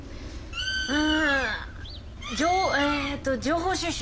あえっと情報収集。